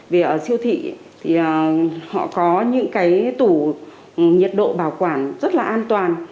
vì ở siêu thị thì họ có những cái tủ nhiệt độ bảo quản rất là an toàn